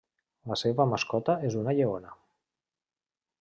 La seva mascota és una lleona.